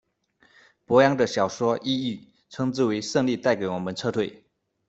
柏杨的小说《异域》，称之为「胜利带给我们撤退」。